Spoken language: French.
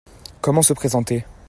Comment se présenter ?